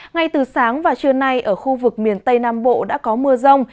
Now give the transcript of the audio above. ngay từ sáng và trưa nay ở khu vực miền tây nam bộ đã có mưa rông